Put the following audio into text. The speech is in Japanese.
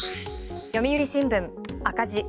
読売新聞、赤字。